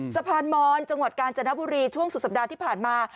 สะพานมอนจังหวัดกาญจนบุรีช่วงสุดสัปดาห์ที่ผ่านมา